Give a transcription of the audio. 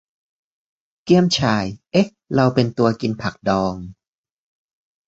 เกี๋ยมฉ่าย เอ๊ะ เราเป็นตัวกินผักดอง !